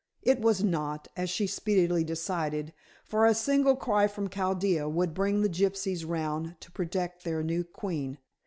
It was not, as she speedily decided, for a single cry from Chaldea would bring the gypsies round to protect their new queen.